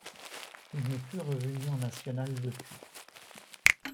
Il n'est plus revenu en nationales depuis.